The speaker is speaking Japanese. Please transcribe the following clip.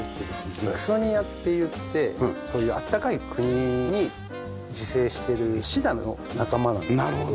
ディクソニアっていってそういう暖かい国に自生してるシダの仲間なんですけど。